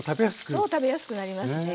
そう食べやすくなりますね。